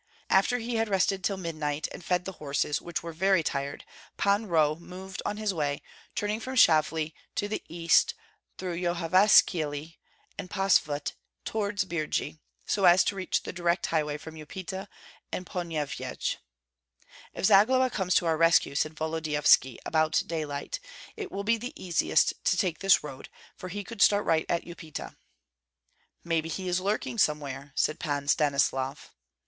After he had rested till midnight, and fed the horses, which were very tired, Pan Roh moved on his way, turning from Shavli to the east through Yohavishkyele and Posvut toward Birji, so as to reach the direct highway from Upita and Ponyevyej. "If Zagloba comes to our rescue," said Volodyovski, about daylight, "it will be easiest to take this road, for he could start right at Upita." "Maybe he is lurking here somewhere," said Pan Stanislav.